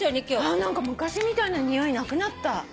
何か昔みたいなにおいなくなった。